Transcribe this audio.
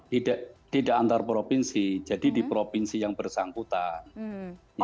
tidak antar provinsi jadi di provinsi yang bersangkutan